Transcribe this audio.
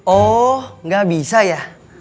oh nggak bisa ya